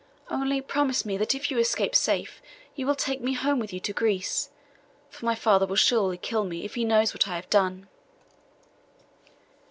Only promise me that if you escape safe you will take me home with you to Greece; for my father will surely kill me, if he knows what I have done.